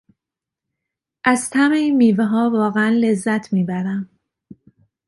از طعم این میوهها واقعا لذت میبرم.